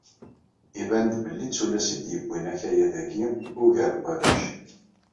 Iban-d belli d tullas i d-yewwin akayad-agi ugar n warrac.